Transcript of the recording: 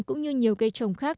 cũng như nhiều cây trồng khác